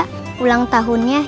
senyum aja susah